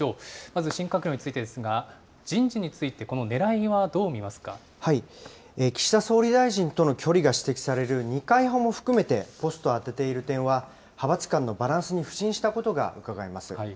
まず新閣僚についてですが、人事について、このねらいはどう見ま岸田総理大臣との距離が指摘される二階派も含めて、ポストを充てている点は、派閥間のバランスに腐心したことがうかがえます。